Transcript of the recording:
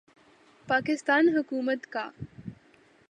پاکستان حکومت کا